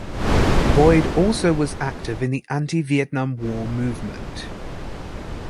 Boyd also was active in the anti-Vietnam War movement.